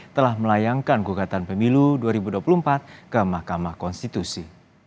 telah melayangkan gugatan pemilu dua ribu dua puluh empat ke mahkamah konstitusi